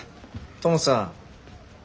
トムさん。